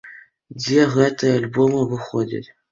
Дзе гэтыя альбомы выходзяць?